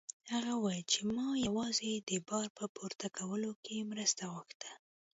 هغه وویل چې ما یوازې د بار په پورته کولو کې مرسته غوښته.